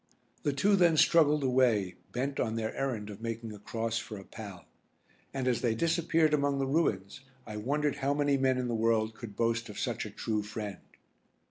The two then struggled away, bent on their errand of making a cross for a pal. And as they disappeared among the ruins I wondered how many men in the world could boast of such a true friend.